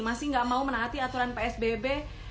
masih nggak mau menaati aturan psbb